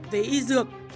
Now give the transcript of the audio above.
với y dược